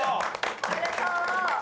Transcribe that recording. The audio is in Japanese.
おめでとう！